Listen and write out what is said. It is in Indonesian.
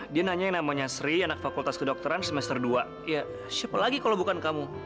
dia nanya yang namanya sri anak fakultas kedokteran semester dua ya siapa lagi kalau bukan kamu